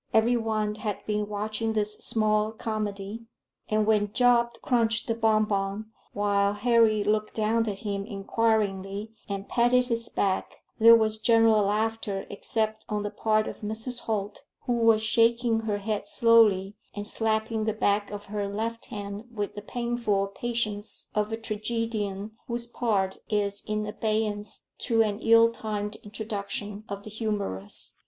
Every one had been watching this small comedy, and when Job crunched the bon bon while Harry looked down at him inquiringly and patted his back, there was general laughter except on the part of Mrs. Holt, who was shaking her head slowly, and slapping the back of her left hand with the painful patience of a tragedian whose part is in abeyance to an ill timed introduction of the humorous.